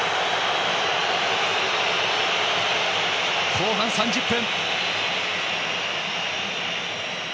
後半３０分。